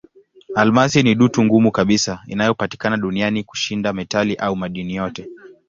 Almasi ni dutu ngumu kabisa inayopatikana duniani kushinda metali au madini yote.